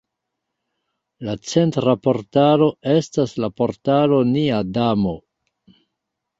La centra portalo estas la Portalo Nia Damo.